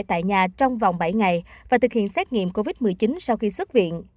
tại nhà trong vòng bảy ngày và thực hiện xét nghiệm covid một mươi chín sau khi xuất viện